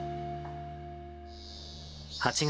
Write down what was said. ８月。